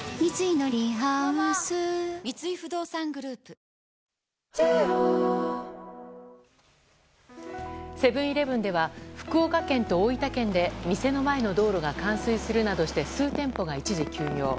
決めるたびにやっぱゴールいいなってふんセブン‐イレブンでは福岡県と大分県で店の前の道路が冠水するなどして数店舗が一時休業。